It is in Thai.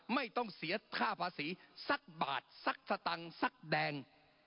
ไม่ต้องเสียค่าภาษีสักบาทสักสตังค์สักแดง